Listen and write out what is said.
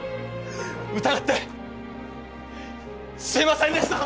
疑ってすいませんでした！